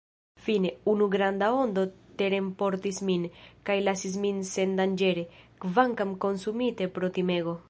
Fine, unu granda ondo terenportis min, kaj lasis min sendanĝere, kvankam konsumite pro timego.